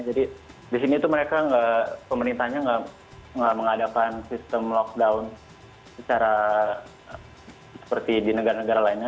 jadi di sini tuh mereka nggak pemerintahnya nggak mengadakan sistem lockdown secara seperti di negara negara lainnya